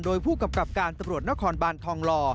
โดยผู้กำกับการตำรวจนครบานทองหล่อ